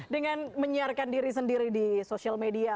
dengan menyiarkan diri sendiri di sosial media